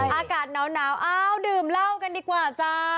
อากาศหนาวอ้าวดื่มเหล้ากันดีกว่าจ้า